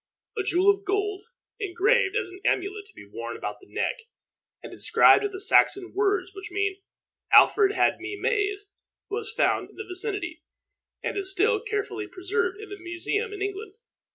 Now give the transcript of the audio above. A jewel of gold, engraved as an amulet to be worn about the neck, and inscribed with the Saxon words which mean "Alfred had me made," was found in the vicinity, and is still carefully preserved in a museum in England.